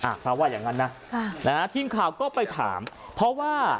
อ่ะเพราะว่าอย่างนั้นนะอ่าทีมข่าวก็ไปถามเพราะว่า